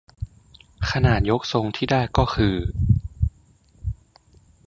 ขนาดยกทรงที่ได้ก็คือ